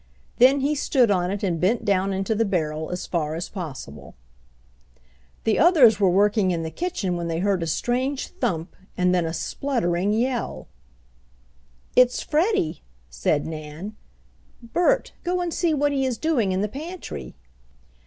Then he stood on it and bent down into the barrel as far as possible. The others were working in the kitchen when they heard a strange thump and then a spluttering yell. "It's Freddie," said Nan. "Bert, go and see what he is doing in the pantry."